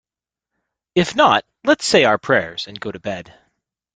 If not, let's say our prayers and go to bed.